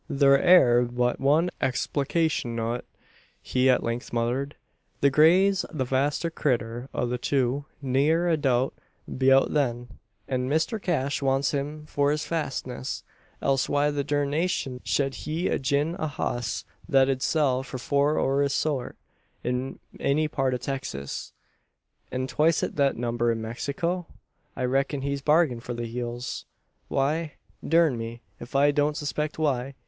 "Thur air but one explication o't," he at length muttered: "the grey's the faster critter o' the two ne'er a doubt 'beout thet; an Mister Cash wants him for his fastness: else why the durnation shed he a gin a hoss thet 'ud sell for four o' his sort in any part o' Texas, an twicet thet number in Mexiko? I reck'n he's bargained for the heels. Why? Durn me, ef I don't suspect why.